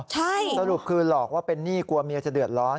ใช่สรุปคือหลอกว่าเป็นหนี้กลัวเมียจะเดือดร้อน